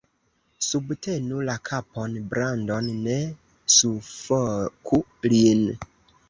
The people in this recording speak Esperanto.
Subtenu la kapon Brandon. Ne sufoku lin.